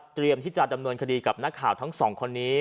เตรียมที่จะดำเนินคดีกับนักข่าวทั้ง๒คนนี้